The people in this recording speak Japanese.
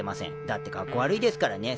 ［だってカッコ悪いですからね］